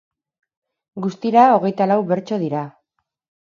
Guztira hogeita lau bertso dira.